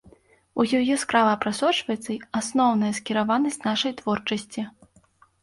У ёй яскрава прасочваецца асноўная скіраванасць нашай творчасці.